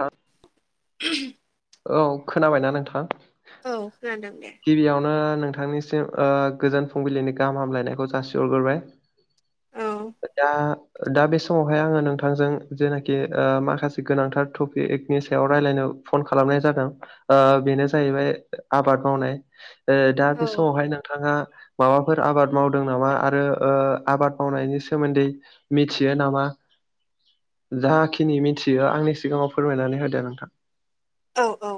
हा [unintelligible] औ खोनाबायना नोंथाङा? औ खोनादों दे। गिबियावनो नोंथांनिसिम गोजोन फुंबिलिनि गाहाम हामलायनायखौ जासिहरग्रोबाय। औ जा दा बे समावहाय आङो नोंथांजों जेनाखि माखासे गोनांथार टपिकनि सायाव रायज्लायनो। फन खालामनाय जागोन बेनो जाहैबाय आबाद। मावनाय दा औ बे समावहाय नोंथाङा। माबाफोर आबाद मावदों नामा आरो आबाद मावनायनि सोमोन्दै मिथियो नामा? जाखिनि मिथियो आंनि सिगाङाव फोरमायनानै होदो नोंथां। औ औ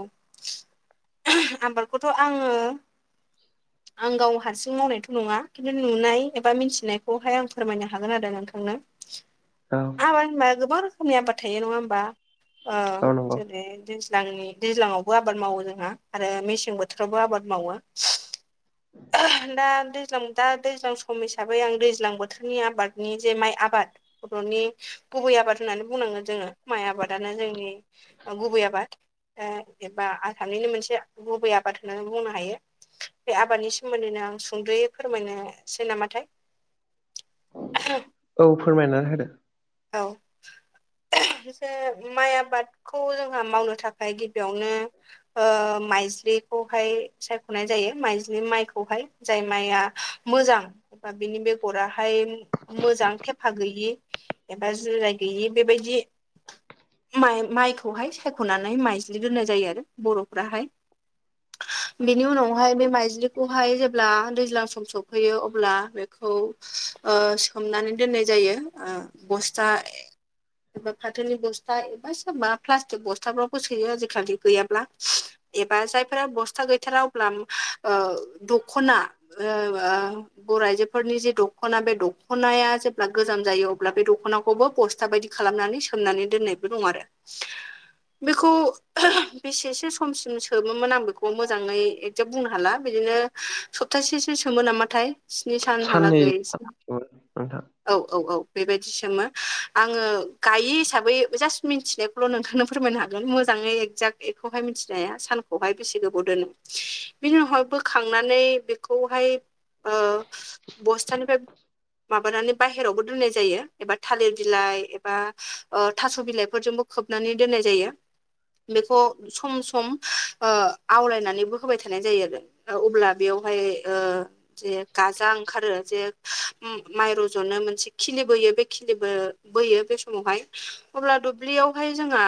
आबादखौथ' आङो [inaudible] आं गाव हारसिं मावनायथ' नङा खिन्थु नुनाय एबा मिथिनायखौहाय आं फोरमायनो हागोन आरो नोंथांनो। औ मबा होनबा गोबां रोखोमनि आबाद थायो नङा होमबा ओ औ नंगौ जुदि जेरै दैज्लांनि दैज्लावबो आबाद मावो जोंहा आरो मेसें बोथोरावबो आबाद मावो [inaudible] दा दैज्लां दा दैज्लां सम हिसाबै आं दैज्लां बोथोरनि आबादनि जे माइ आबाद। बर'नि गुबै आबाद होननानै बुंनांगो जोङो माइ आबादानो जोंनि गुबै आबाद। एबा आसामनिनो मोनसे गुबै आबाद होननानै बुंनो हायो बे आबादनि सोमोन्दैनो आं सुंद्र'यै फोरमायनोसै नामाथाय। औ फोरमायनानै होदो। औ जे माइ आबादखौ जोंहा मावनो थाखाय गिबियावनो ओ माइजलिखौहाय सायख'नाय जायो माइजलि माइखौ खौहाय जाय माइआ मोजां। एबा बेनि बेगराहाय मोजां थेफा गैयि। एबा जिराय गैयि बेबायदि। माइ माइखौहाय सायख'नानै माइज्लि दोननाय जायो आरो बर'फ्राहाय। बिनि उनावहाय बे माइजलि बेहाय जेब्ला दैज्लां सम सफैयो अब्ला बेखौ ओ सोमनानै दोननाय जायो बस्था [inaudible] फाथोनि बस्था एबा सोरबा प्लास्टिक बस्थाफ्रावबो सोयो आजिखालि गैयाब्ला। एबा जायफोरा बस्था गैथार अब्ला ओ दख'ना ओ बर' आइजोफोरनि जे दख'ना बे दख'नाया जेब्ला गोजाम जायो अब्ला बे दख'नाखौबो बस स्था बायदि खालामनानै सोमनानै दोननायबो दं आरो। [inaudible] बेखौ [unintelligible] बेसेसो समसिम सोमोमोन आं बेखौ मोजाङै एकजेट बुंनो हाला बिदिनो सप्तासेसो सोमो नामाथाय स्नि साननै सानहालागै नोंथां औ औ औ बेबायदि सोमो। आङो गायि हिसाबै जास्ट मिथिनो ल' नोंथांनो फोरमायनो हागोन मोजाङै एगजेक्ट बेखौहाय मिथिनाया सानखौहाय बेसे गोबाव दोनो बिनि उनावहाय बो खांनानै बेखौहाय बस्थानिफ्राय माबानानै बाहेरावबो दोननाय जायो एबा थालिर बिलाइ एबा ओ थास' बिलाइफोरजोंबो खोबनानै दोननाय जायो। बेखौ सम सम ओ आवलायनानैबो होबाय थानाय जायो आरो। अब्ला बेयावहाय ओ जे गाजा ओंखारो जे माइ रज'नो मोनसे खिलि बोयो बे खिलिबो बोयो बे समावहाय। अब्ला दुब्लियावहाय जोंहा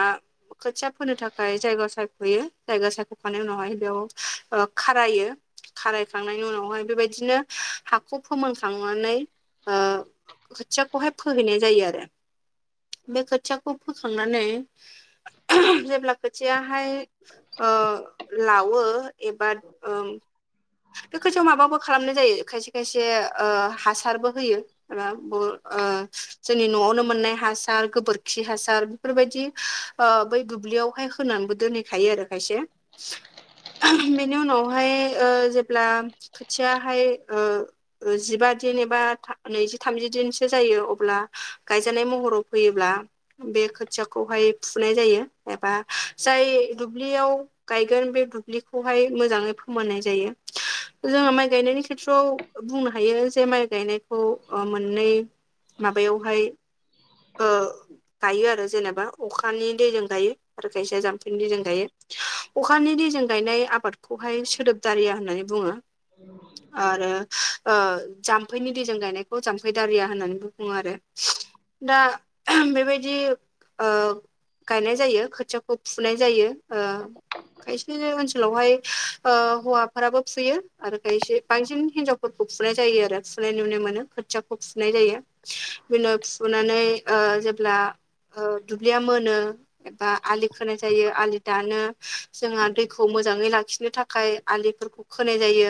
खोथिया फोनो थाखाय जायगा सायख'यो जायगा सायख'खांनायनि उनावहाय बेयाव खारायो। खाराय खांनायनि उनावहाय बेबायदिनो हाखौ फोमानखांनानै ओ खोथियाखौहाय फोहैनाय जायो आरो बे खोथियाखौ फोखांनानै [unintelligible] जेब्ला खोथियाहाय ओ लावो एबा ओ बे खोथियाव माबाबो खालामनाय जायो खायसे खायसे ओ हासारबो होयो। [unintelligible] ओ जोंनि न'आवनो मोननाय हासार गोबोरखि हासार बेफोरबायदि ओ बै दुब्लियावहाय होनानैबो दोनहैखायो आरो खायसे। [unintelligible] बेनि उनावहाय ओ जेब्ला खोथियाहाय ओ ओ जिबा दिन एबा नैजि थामजि दिनसो जायो अब्ला गायजानाय महराव फैयोब्ला। बे खोथियाखौहाय फुनाय जायो एबा जाय दुब्लियाव गायगोन बे दुब्लिखौहाय मोजाङै फोमोननाय [unintelligible] जोङो माइ गायनायनि खेथ्रआव बुंनो हायो जे माइ गायनाय खौ मोननै माबायावहाय ओ गायो आरो जेनेबा अखानि दैजों गायो आरो खायसेया जाम्फैनि दैजों गायो अखानि दैजों गायनाय आबादखौहाय सोदोब दारिया होननानै बुङो। [inaudible] आरो ओ जाम्फैनि दैजों गायनायखौ जाम्फै दारिया होननानैबो बुङो आरो। दा बेबायदि ओ [inaudible] गायनाय जायो खोथियाखौ फुनाय जायो ओ खायसे ओनसोलावहाय ओ हौवाफोराबो फुयो आरो खायसे बांसिन हिनजावफोरखौ फुनाय जायो आरो फुनाय नुनाय मोनो। खोथियाखौ फुनाय जायो बिनि उनाव फुनानै ओ जेब्ला ओ दुब्लिया मोनो। एबा आलि खोनाय जायो आलि दानो जोंहा दैखौ मोजाङै लाखिनो थाखाय। आलिफोरखौ खोनाय जायो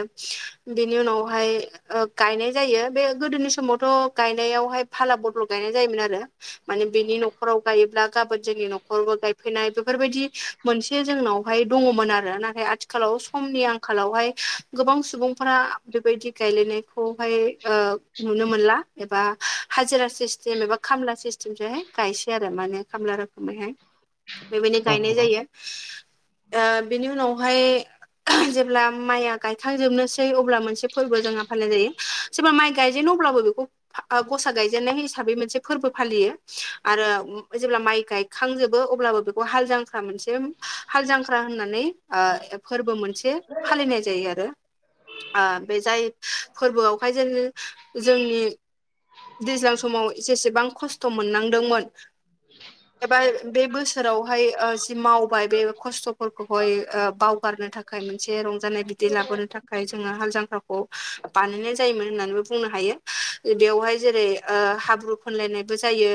बेनि उनावहाय ओ गायनाय जायो बे गोदोनि समावथ' गायनायावहाय फाला बदल गायनाय जायोमोन आरो। माने बेनि न'खराव गायोब्ला गाबोन जोंनि न'खरावबो गायफैनाय बेफोरबायदि मोनसे जोंनावहाय दङमोन आरो नाथाय आथिखालाव समनि आंखालावहाय गोबां सुबुंफोरा बेबायदि गायलायनायखौहाय ओ नुनो मोनला एबा हाजिरा सिस्टेम एबा खामला सिस्टेमसैहाय गायसै आरो माने खामला [unintelligible] बेहाय [unintelligible] बेबायदिनो गायनाय नंगौ जायो ओ बेनि उनावहाय जेब्ला माइया गायखांजोबनोसै अब्ला मोनसे फोरबो जोंहा फालिनाय जायो सोरबा माइ गायजेननो अब्लाबो बेखौ गसा गायजेननाय हिसाबै मोनसे फोरबो फालियो आरो जेब्ला माइ गाय खांजोबो अब्लाबो बेखौ हाल जांख्रा मोनसे हाल जांख्रा होननानै ओ फोरबो मोनसे [unintelligible] फालिनाय जायो आरो ओ बे जाय फोरबोआवहाय जेन जोंनि दैज्लां समाव जेसेबां खस्थ' मोननांदोंमोन। [inaudible] एबा बे बोसोरावहाय ओ जि मावबाय बे खस्थ'फोरखौहाय बावगारनो था खाय मोनसे रंजानाय बिदि लाबोनो थाखाय जोङो हाल जांख्राखौ बानायनाय जायोमोन होननानैबो बुंनो हायो। बेवहाय जेरै ओ हाब्रु फोनलायनायबो जायो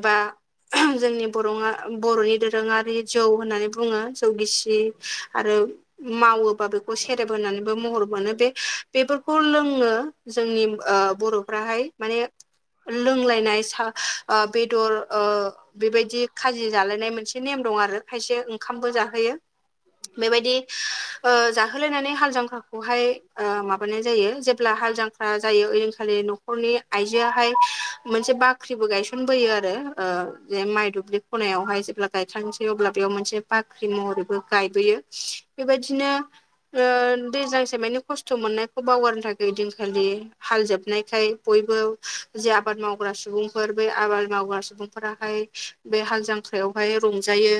एबा [unintelligible] जोंनि बर'ङा बर'नि दोरोङारि जौ होननानै बुङो जौ गिसि आरो मावो बा बेखौ सेरेब होनानैबो महर मोनो बे बेफोरखौ लोङो जोंनि ओ बर'फ्राहाय माने लोंलायनाय सा ओ बेदर ओ बेबायदि खाजि जालायनाय मोनसे नेम दं आरो खायसे ओंखामबो जाहोयो। बेबायदि ओ जाहोलायनानै हाल जांख्रा खौहाय ओ माबानाय जायो जेब्ला हाल जां [unintelligible] जायो ओयदिनखालि न'खरनि आइजोआहाय मोनसे बाख्रिबो गायसनबोयो आरो। ओ जे माइ दुब्लि खनायावहाय जेब्ला गायखांसै अब्ला बेयाव मोनसे बाख्रि महरैबो गायबोयो। बेबायदिनो दैजांसे मानि खस्थ' मोननायखौ बावगारनो थाखाय ओइदिनखालि हाल जोबनायखाय बयबो जे आबाद मावग्रा सुबुं ब आव मावारस [unintelligible] फोराहाय बे हाल जांख्रायावहाय रंजायो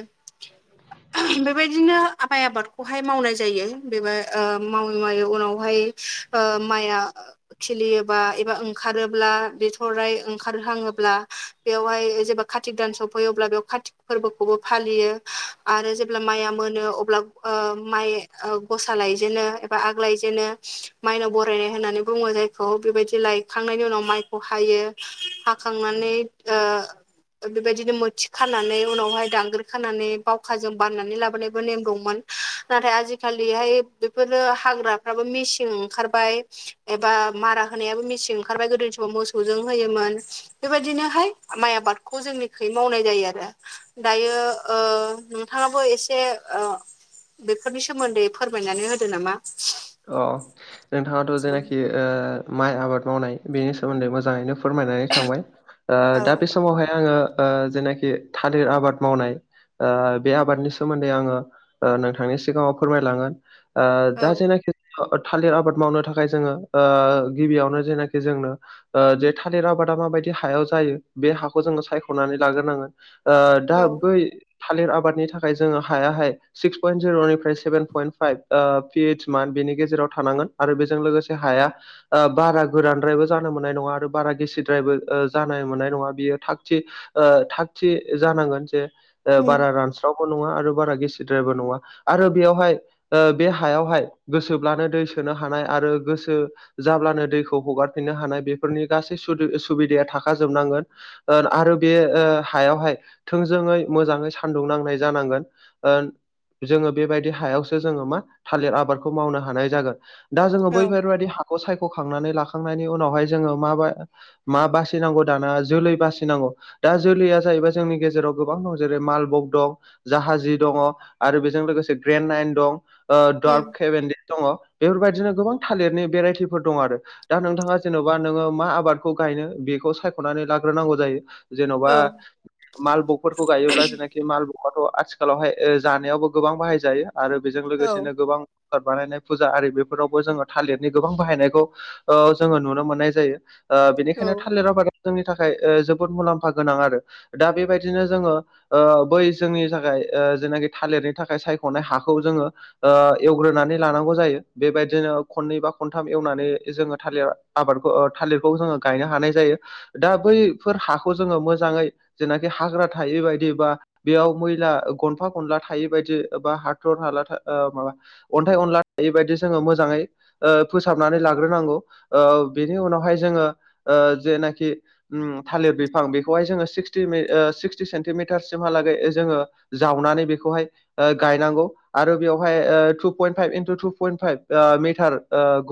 बेबायदिनो माया बार [unintelligible] बेहाय मावनाय जायो बेब मावै मावै उनावहाय माइआ खिलियोबा एबा ओंखारोब्ला बिथ'राय ओंखारहङोब्ला बेवहाय जेब्ला कातिक दानस सफैयो अब्ला बेयाव कातिक फोरबोखौबो फालियो। आरो जेब्ला माइया मोनो अब्ला ओ माइ ओ गसा लायजेनो एबा आग लायजेनो। माइनाव बरायनाय होननानै बुङो जायखौ बेबायदि लायखांनायनि उनाव माइखौ हायो हाखांनानै ओ बेबायदिनो मोथि खानानै उनावहाय दांग्रो खानानै बावखाजों बाननानै लाबोनायबो नेम दंमोन। नाथाय आजिखालिहाय बेफोरो हाग्राफ्राबो मेचं ओंखारबाय। एबा मारा होनायाबो मेसें ओंखारबाय गोदोनि समाव मोसौजों होयोमोन। बेबायदिनोहाय माइ आबादखौ जोंनिखै मावनाय जायो आरो। दायो नोंथाङाबो एसे बेफोरनि सोमोन्दै फोरमायनानै होदो नामा? अ नोंथाङाथ' जेनाखि माइ आबाद मावनाय बेनि सोमोन्दै मोजाङैनो फोरमायनानै थांबाय। औ दा बे समावहाय आङो जेनाखि थालिर आबाद मावनाय बे आबादनि सोमोन्दै आङो नोंथांनि सिगाङाव फोरमायलांगोन औ दा जेनाखि थालिर आबाद मावनो थाखाय जोङो गिबियावनो जेनाखि जोंनो जे थालिर आबादा माबायदि हायाव जायो बे हाखौ जोङो सायख'नानै लाग्रोनांगोन। दा औ बै थालिर आबादनि थाखाय जोङो हायाहाय सिक्स पइन्ट जिर'निफ्राय सेभेन पइन्ट फाइभ पिइस मान बेनि गेजेराव थानांगोन। आरो बेजों लोगोसे हाया बारा गोरानद्रायबो जानो मोननाय नङा आरो बारा गिसिद्रायबो जानो मोननाय नङा बियो थागथि थागथि जानांगोन। जे ओ उम बारा रानस्रावबो नङा आरो बारा गेसिद्रायबो नङा आरो बेयावहाय ओ बे हायावहाय गोसोब्लानो दै सोनो हानाय आरो गोसो जाब्लानो दैखौ हगारफिननो हानाय बेफोरनि गासै सुबिदाया थाखाजोबनांगोन। ओ आरो बे हायावहाय थोंजोङै मोजाङै सान्दुं नांनाय जानांगोन। ओ जोङो बेबायदि हायावसो जोङो मा थालिर आबादखौ मावनो हानाय जागोन। दा जोङो औ बैफोरबायदि हा खौखौ सायख'खांनानै लाखांनायनि उनावहाय जोङो माबा मा बासिनांगौ दाना जोलै बासिनांगौ। दा जोलैया जाहैबाय जोंनि गेजेराव गोबां दं जेरै मालबग दं। जाहाजी दङ आरो बेजों लोगोसे ग्रेन् नाइन दं दार्फ, उम केभेनड। दङ बेफोरबायदिनो गोबां थालिरनि भेराइटिफोर दङ आरो। दा नोंथाङा जेनबा नोङो मा आबादखौ गायनो बेखौ सायखनानै लाग्रोनांगौ जायो। जेनबा औ मालबगफोरखौ गायोब्ला जेनाखि माल गाथ आथिखालावहाय जानायावबो गोबां बाहायजायो आरो बेजों औ लोगोसेनो गोबां आबाद बानायनाय फुजा आरि बेफोरावबो जोङो थालिरनि गोबां बाहायनायखौ ओ जोङो नुनो मोननाय जायो। औ बेनिखायनो थालिर आबाद जोंनि थाखाय जोबोद मुलाम्फा गोनां आरो दा बेबायदिनो जोङो बै जोंनि थाखाय जेनाखि थालिरनि थाखाय सायख खनाय हाखौ जोङो ओ एवग्रोनानै लानांगौ जायो। बेबायदिनो खननै बा खनथाम एवनानै जोङो थालिर आबादखौ थालिरखौ जोङो गायनो हानाय जायो। दा बैफोर हाखौ जोङो मोजाङै जेनाखि हाग्रा थायै बायदि बा बेयाव मैला गनफा गनला थायै बायदि बा हाथर हाला, माबा अन्थाइ अनला थायिबायायदि जोङो मोजाङै फोसाबनानै लाग्रोनांगौ बेनि उनावहाय जोङो जेनाखि ओ थालिर बिफां बेखौहाय जोङो सिक्सटि सिक्सटि सेन्टिमिटारसिमहालागै जोङो जावनानै बेखौहाय गायनांगौ। आरो बेवहाय ओ two point five into two point five ओ मिटार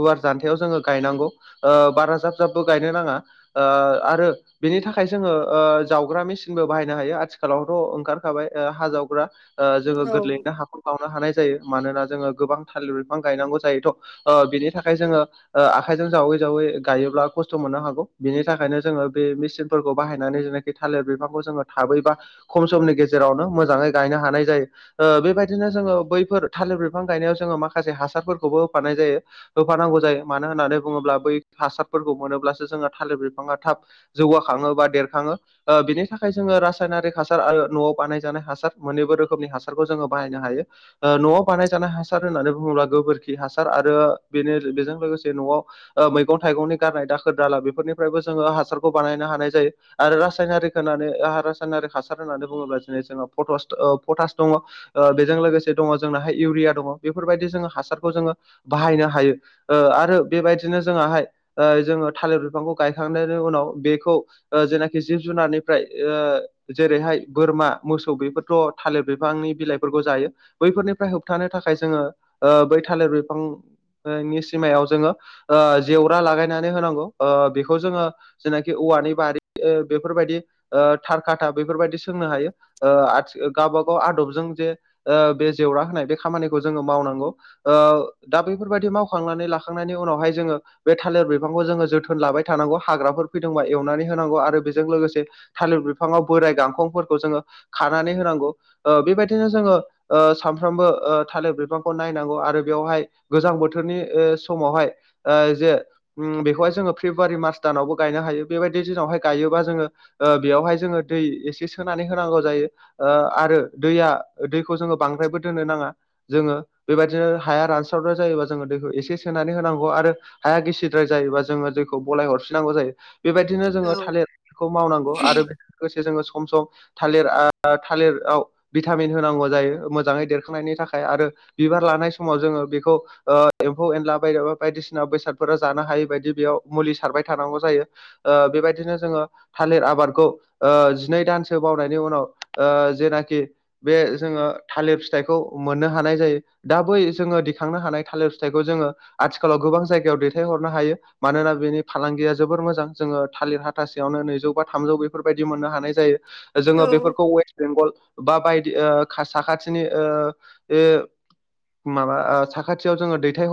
गुवार जान्थायाव जोङो गायनांगौ। ओ बारा जाब जाबबो गायनो नाङा ओ आरो बेनि थाखाय जोङो जावग्रा मेसिनबो बाहायनो हायो। आथिखालावथ ओंखारखाबाय हा जावग्रा। जोङो औ गोरलैयैनो हााखर गावनो हानाय जायो। मानोना जोङो गोबां थालिर बिफां गायनांगौ जायोथ बिनि थाखाय जोङो ओ आखाइजों जावै जावै गायोब्ला खस्थ मोननो हागौ। बिनि थाखायनो जोङो बे मेसिनफोरखौ बाहायनानै जोङो थालिर बिफांखौ जोङो थाबैबा खम समनि गेजेरावनो मोजाङै गायनो हानाय जायो। ओ बेबायदिनो जोङो बैफोर थालिर बिफां गायनायाव जोङो माखासे हासारफोरखौबो होफानाय जायो। होफानांगौ जायो मानो होननानै बुङोब्ला बै हासारफोरखौ मोनोब्लासो जोङो थालिर बिफाङा थाब जौगाखांङो बा देरखाङो। ओ बिनि थाखाय जोङो रासायनारिक हासार आरो नआव बानायजानाय हासार मोनैबो रोखोमनि हासार खौ जोङो बाहायनो हायो। ओ नआव बानायजानाय हासार होननानै बुङोब्ला गोबोरखि हासार आरो बेनो बेजों लोगोसे नआव ओ मैगं थाइगंनि गारनाय दाखोर दाला बेफोरनिफ्रायबो जोङो हासारखौ बानायनो हानाय जायो। आरो रासायनारि होनानै रासायनारि हासार होननानै बुङोब्ला दिनै जों पथस ओ पथास दङ बेजों लोगोसे दङ जोंनाहाय इउरिया दङ बेफोरबायदि जोङो हासारखौ जोङो बाहायनो हायो ओ आरो बेबायदिनो जोंहाहाय ओ जोङो थालिर बिफांखौ गायखांनायनि उनाव बेखौ जेनाखि जिब जुनारनिफ्राय ओ जेरैहाय बोरमा मोसौ बेफोरथ' थालिर बिफांनि बिलाइफोरखौ जायो बैफोरनिफ्राय होबथानो थाखाय जोङो बै ओ थालिर बिफां नि सिमायाव जोङो ओ जेवरा लागायनानै होनांगौ ओ बेखौ जोङो जेनाखि औवानि बारि बेफोरबायदि ओ थारकाथा बेफोरबायदि सोंनो हायो ओ आथि गावबागाव आदबजों जे बे जेवरा होनाय बे खामानिखौ जोङो मावनांगौ। ओ दा बेैफोरबायदि मावखांनानै लाखांनायनि उनावहाय जोङो बे थालिर बिफांखौ जोङो जोथोन लाबाय थानांगौ हाग्राफोर फैदोंबा एवनानै होनांगौ। आरो बेजों लोगोसे थालिर बिफाङाव बोराय गांखंफोरखौ जोङो खानानै होनांगौ बेबायदिनो जोङो ओ सानफ्रोमबो थालिर बिफांखौ नायनांगौ। आरो बेवहाय गोजां बोथोरनि ओ समावहाय ओ जे बेखौहाय जोङो फेब्रुवारि मार् दानावबो गायनो हायो। बेबायदि दिनावहाय गायोबा जोङो ओ बेयावहाय जोङो दै एसे सोनानै होनांगौ जायो। ओ आरो दैया दैखौ जोङो बांद्रायबो दोननो नाङा। जोङो बेबायदिनो हाया रानस्रावग्र जायोबा जोङो दैखौ एसे सोनानै होनांगौ। आरो हाया गिसिद्राय जायोबा जोङो जेखौ बलाय हरफिनांगौ जायो बेबायदिनो जोङो औ थालिर खौ मावनांगौ आरो बेजों लोगोसे जोङो सम सम ओ थालिर थालिराव भिटामिन होनांगौ जायो मोजाङै देरखांनायनि थाखाय आरो बिबार लानाय समाव जोङो बेखौ ओ एम्फौ एनला बायदि बायदिसिना बेसादफोरा जानो हायि बायदि बेयाव मुलि सारबाय थानांगौ जायो। ओ बेबायदिनो जोङो थालिर आबादखौ ओ जिनै दानसो बावनायनि उनाव जेनाखि बे जोङो थालिर फिथाइखौ मोननो हानाय जायो। दा बै जोङो दिखांनो हानाय थालिर फिथाइखौ जोङो आथिखालाव गोबां जायगायाव दैथायहरनो हायो। मानोना बेनि फालांगिया जोबोर मोजां जोङो थालिर हाथासेयावनो नैजौ बा थामजौ बेफोरबायदि मोननो हानाय जायो। जोङो औ बेफोरखौ वेस्ट बेंगल बा बाय बे ओ साखथिनि ओ बे माबा ओ साखाथियाव जङो दैथय हर